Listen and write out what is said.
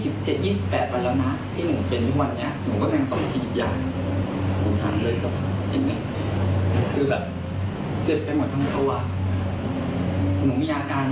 เป็นคำนั้นสูงแบบประมาณเกือบ๒๐๐หรือประมาณ๒๒๐๒๐๓